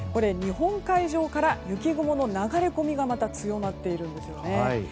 日本海上から雪雲の流れ込みが強まっているんですよね。